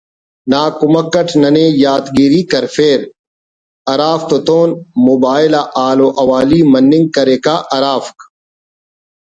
نا کمک اٹ ننے یات گیری کرفیر ہرافتتون موبائل آ حال حوالی مننگ کریکہ ہرافک